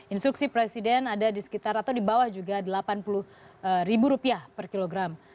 instruksi presiden ada di sekitar atau di bawah juga rp delapan puluh per kilogram